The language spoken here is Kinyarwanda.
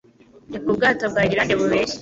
Reka ubwato bwa Irilande bubeshye